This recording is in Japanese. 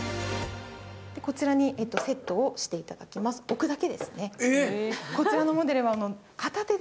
こちらにセットをしていただきます、置くだけですね。